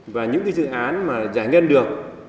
và những dự án mà giải ngân được